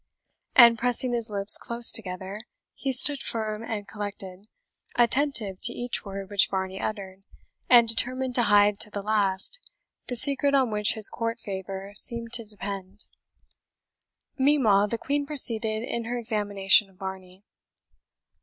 And pressing his lips close together, he stood firm and collected, attentive to each word which Varney uttered, and determined to hide to the last the secret on which his court favour seemed to depend. Meanwhile, the Queen proceeded in her examination of Varney.